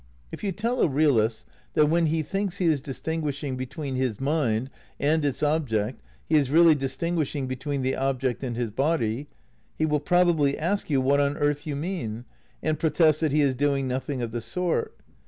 If you tell a realist that when he thinks he is distinguishing between his mind and its object he is really distinguishing between the object and his body, he will probably ask you what on earth you mean, and protest that he is doing nothing of the sort.